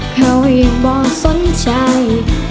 เขายังบอกสนใจ